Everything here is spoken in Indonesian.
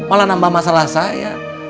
malah menambah masalah saya